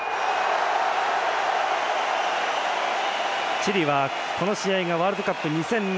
チリは、この試合がワールドカップ２戦目。